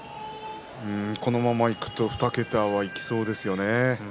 このままいくと２桁はいきそうですね。